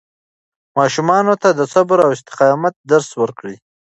ماشومانو ته د صبر او استقامت درس ورکړئ.